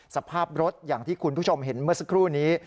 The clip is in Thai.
สภาพรถอย่างที่คุณผู้ชมเห็นเมื่อสักครู่นี้